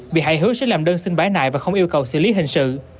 bị hại hứa sẽ làm đơn xin bái nại và không yêu cầu